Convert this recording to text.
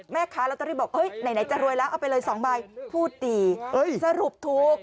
แม่ค้าลอตเตอรี่บอกไหนจะรวยแล้วเอาไปเลย๒ใบพูดดีสรุปถูก